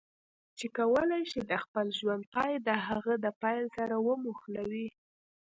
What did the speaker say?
چې کولای شي د خپل ژوند پای د هغه د پیل سره وموښلوي.